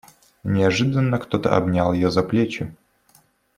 Неожиданно кто-то обнял ее за плечи.